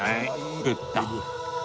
ぐったー。